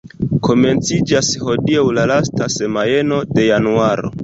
Komenciĝas hodiaŭ la lasta semajno de januaro.